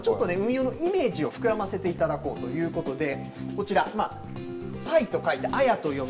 運用のイメージを膨らませていただこうということで、こちら彩と書いてあやと読む。